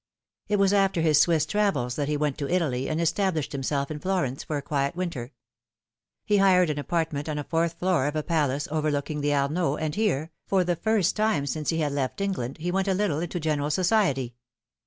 It was after his Swiss travels that he went to Italy, and established himself in Florence for a quiet winter. He hired an apartment on a fourth floor of a palace overlooking the Arno, and here, for the first time since he had left England, he went a little into general society.